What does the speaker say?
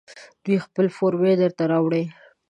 دوی خپله فورمې درته راوړي.